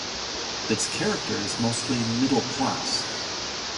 Its character is mostly middle class.